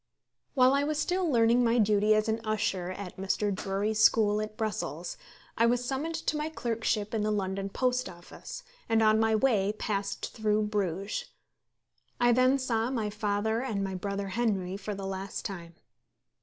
While I was still learning my duty as an usher at Mr. Drury's school at Brussels, I was summoned to my clerkship in the London Post Office, and on my way passed through Bruges. I then saw my father and my brother Henry for the last time.